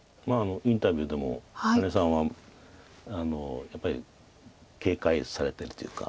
インタビューでも羽根さんはやっぱり警戒されてるというか。